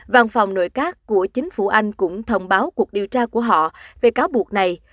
văn phòng nội các của chính phủ anh cũng thông báo cuộc điều tra của họ về cáo buộc này